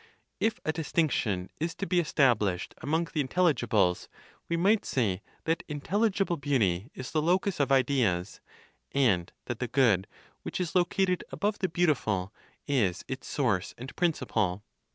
If a distinction is to be established among the intelligibles, we might say that intelligible beauty is the locus of ideas, and that the Good, which is located above the Beautiful, is its source and principle.